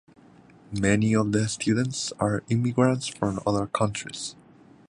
Many of the students are immigrants from other countries.